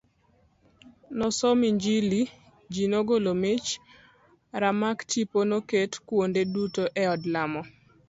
Nosom injili, ji nogolo mich, ramak tipo noket kuonde duto e od lamo.